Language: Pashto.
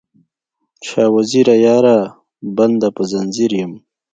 شاه وزیره یاره، بنده په ځنځیر یم